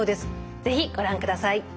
是非ご覧ください。